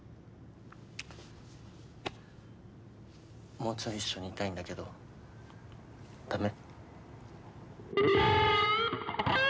もうちょい一緒にいたいんだけどダメ？